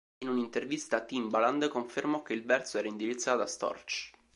In un'intervista Timbaland confermò che il verso era indirizzato a Storch.